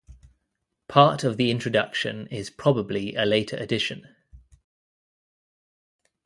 Part of the introduction is probably a later addition.